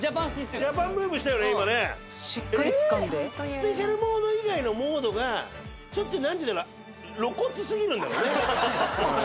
スペシャルモード以外のモードがちょっと何て言うんだろ露骨すぎるんだろうね。あははは。